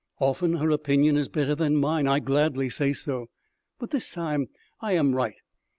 Often her opinion is better than mine.... I gladly say so.... But this time I am right.